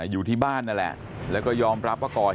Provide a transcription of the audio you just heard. อยู่ที่บ้านนั่นแหละแล้วก็ยอมรับว่าก่อเหตุ